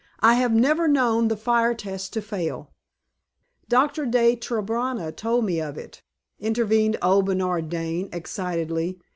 "I have never known the fire test to fail." "Doctor De Trobriand told me of it," intervened old Bernard Dane, excitedly.